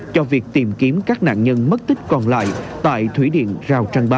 cho việc tìm kiếm các nạn nhân mất tích còn lại tại thủy điện rào trăng ba